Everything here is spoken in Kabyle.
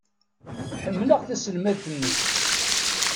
Ḥemmleɣ taselmadt-nni.